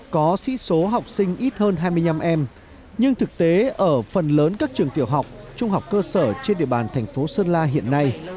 có sĩ số học sinh ít hơn hai mươi năm em nhưng thực tế ở phần lớn các trường tiểu học trung học cơ sở trên địa bàn thành phố sơn la hiện nay